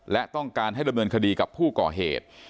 และต้องการให้ดำเนินคดีกับผู้ก่อเหตุ